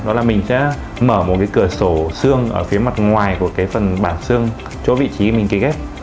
đó là mình sẽ mở một cái cửa sổ xương ở phía mặt ngoài của cái phần bản xương chỗ vị trí mình ký ghép